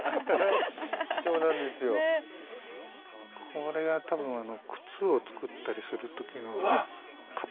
これは多分靴を作ったりする時の型。